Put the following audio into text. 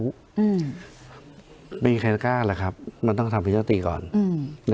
อืมไม่เคยกล้าหรอกครับมันต้องทำประชามติก่อนอืม